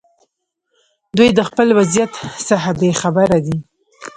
دوی د خپل وضعیت څخه بې خبره دي.